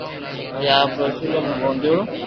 جي آپرو اسولو مون ٻوديوڙو